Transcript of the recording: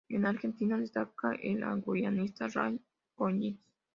En Argentina, destaca el guionista Ray Collins.